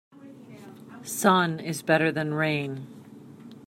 Sun is better than rain.